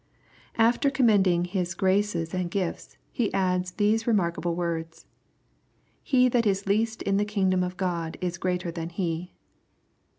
After commending his graces and gifts. He adds these remarkable words, " He that is least in the kingdom of God is greater than he."